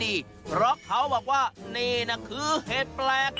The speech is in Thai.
เพราะเขาบอกว่านี่นะคือเห็ดแปลก